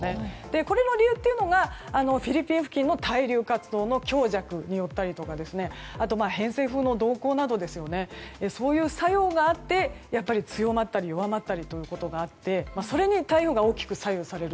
これの理由は、フィリピン付近の対流活動の強弱によったりとかあとは偏西風の動向などそういう作用があって強まったり弱まったりということがあってそれに台風が大きく左右されると。